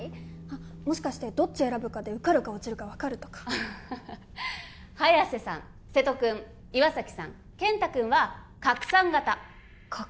もしかしてどっち選ぶかで受かるか落ちるか分かるとか早瀬さん瀬戸君岩崎さん健太君は拡散型拡散型？